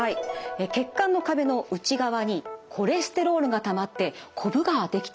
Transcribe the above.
血管の壁の内側にコレステロールがたまってこぶができていますよね。